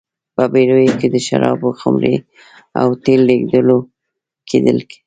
په بېړیو کې د شرابو خُمرې او تېل لېږدول کېدل.